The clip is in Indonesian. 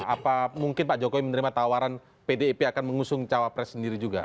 apa mungkin pak jokowi menerima tawaran pdip akan mengusung cawapres sendiri juga